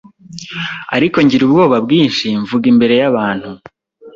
ariko ngira ubwoba bwinshi mvuga imbere yabantu.